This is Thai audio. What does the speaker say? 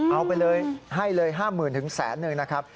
เอาไปเลยให้เลย๕๐๐๐ถึง๑๐๐๐๐๐๐นะครับ